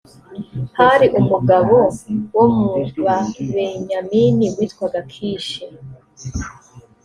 hari umugabo wo mu babenyamini witwaga kishi